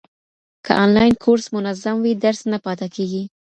که انلاین کورس منظم وي، درس نه پاته کېږي.